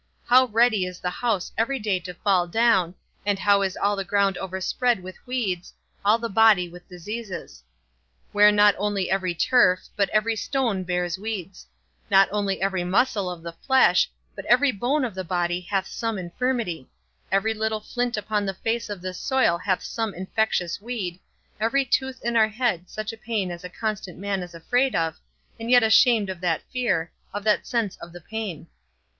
How ready is the house every day to fall down, and how is all the ground overspread with weeds, all the body with diseases; where not only every turf, but every stone bears weeds; not only every muscle of the flesh, but every bone of the body hath some infirmity; every little flint upon the face of this soil hath some infectious weed, every tooth in our head such a pain as a constant man is afraid of, and yet ashamed of that fear, of that sense of the pain.